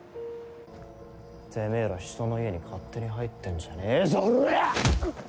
てめえら人の家に勝手に入ってんじゃねえぞおら！